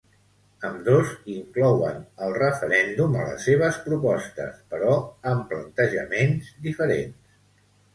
Ambdós inclouen el referèndum a les seves propostes, però amb plantejaments diferents.